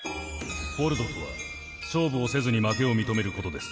フォルドとは勝負をせずに負けを認めることです。